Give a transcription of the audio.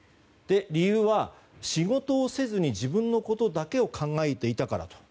理由は、仕事をせずに自分のことだけを考えていたからと。